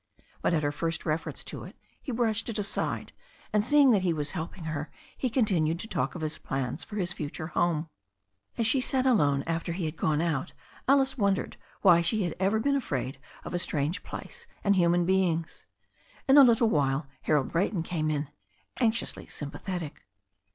But at her first reference to it he brushed it aside, and seeing that he was helping her, he continued to talk of his plans for his future home. As she sat alone after he had gone out Alice ^otv&ftx^^. 212 THE STORY OF A NEW ZEALAND RIVER why she had ever been afraid of a strange place and human beings. In a little while Harold Brayton came in, anxiously sympathetic.